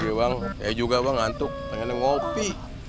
iya bang saya juga bang nganuk pengen ngopi